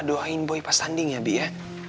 doain boy pas sanding ya bi ya